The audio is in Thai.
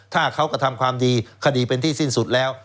ถ้าเขากระทำความดีคดีเป็นที่สิ้นสุดแล้ว